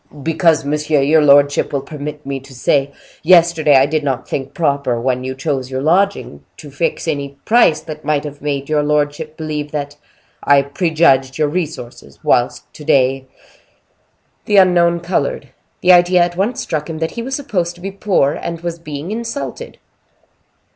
"Because, monsieur, your lordship will permit me to say, yesterday I did not think proper, when you chose your lodging, to fix any price that might have made your lordship believe that I prejudged your resources; whilst to day—" The unknown colored; the idea at once struck him that he was supposed to be poor, and was being insulted.